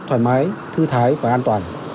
thoải mái thư thái và an toàn